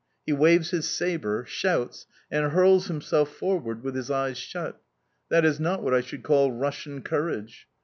He waves his sabre, shouts, and hurls himself forward with his eyes shut. That is not what I should call Russian courage!...